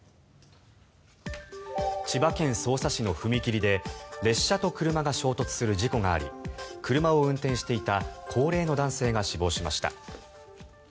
千葉県匝瑳市の踏切で列車と車が衝突する事故があり車を運転していた高齢の男性が死亡しました。